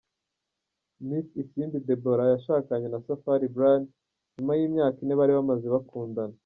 Miss Isimbi Deborah yashakanye na Safari Brian nyuma y’imyaka ine bari bamaze bakundana.